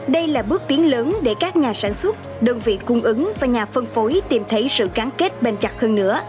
đây là bước tiến lớn để các nhà sản xuất đơn vị cung ứng và nhà phân phối tìm thấy sự cán kết bền chặt hơn nữa